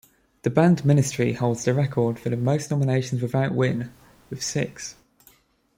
The band Ministry holds the record for the most nominations without win, with six.